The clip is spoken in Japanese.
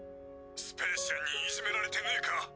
スペーシアンにいじめられてねぇか？